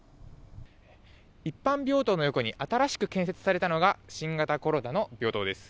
一般病棟の横に、新しく建設されたのが新型コロナの病棟です。